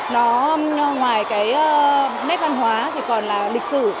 nó ngoài cái nét văn hóa thì còn là lịch sử